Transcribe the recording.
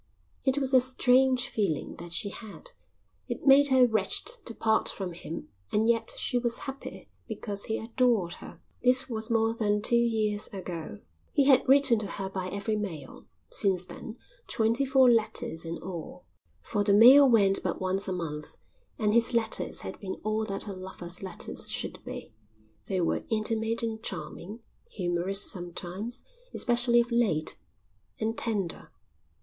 It was a strange feeling that she had. It made her wretched to part from him and yet she was happy because he adored her. This was more than two years ago. He had written to her by every mail since then, twenty four letters in all, for the mail went but once a month, and his letters had been all that a lover's letters should be. They were intimate and charming, humorous sometimes, especially of late, and tender.